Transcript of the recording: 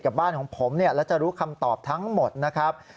บ้านของผมแล้วจะรู้คำตอบทั้งหมดนะครับ